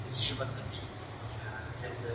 تجربه او ځواک بايد يو ځای سي.